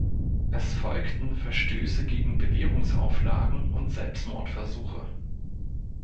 Es folgten Verstöße gegen Bewährungsauflagen und Selbstmordversuche.